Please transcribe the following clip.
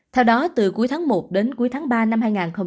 theo đó từ cuối tháng một đến cuối tháng ba năm hai nghìn hai mươi